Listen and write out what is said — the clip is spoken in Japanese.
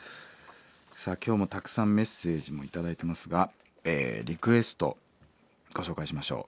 さあ今日もたくさんメッセージも頂いてますがリクエストご紹介しましょう。